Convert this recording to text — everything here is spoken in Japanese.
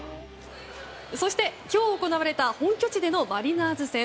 そして、今日行われた本拠地でのマリナーズ戦。